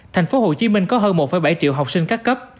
tp hcm có hơn một bảy triệu học sinh các cấp